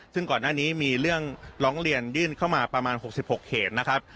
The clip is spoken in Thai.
ซึ่งก่อนหน้านี้มีเรื่องร้องเรียนยื่นเข้ามาประมาณ๖๖เขตนะครับ